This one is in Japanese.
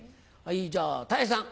じゃあたい平さん。